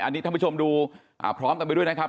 อันนี้ท่านผู้ชมดูพร้อมกันไปด้วยนะครับ